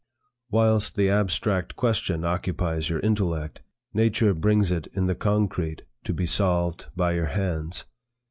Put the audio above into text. Whilst the abstract question occupies your intellect, nature brings it in the concrete to be solved by your hands.